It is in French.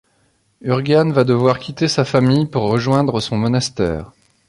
Urgan va devoir quitter sa famille pour rejoindre son monastère.